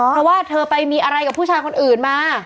เพราะว่าเธอไปมีอะไรกับผู้ชายคนอื่นมา